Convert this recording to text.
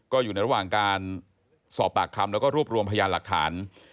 ก็อยู่ในระหว่างการสอบปากคำแล้วก็รวบรวมพยานหลักฐาน